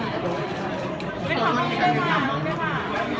ขอบคุณแม่ก่อนต้องกลางนะครับ